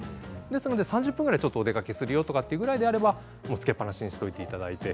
ですので３０分ぐらいちょっとお出かけするよとかってぐらいであればもうつけっぱなしにしておいていただいて。